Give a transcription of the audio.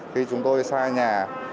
khi chúng tôi xa nhà